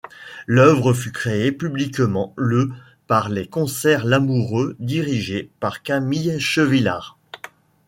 L'œuvre fut créée publiquement le par les Concerts Lamoureux dirigés par Camille Chevillard.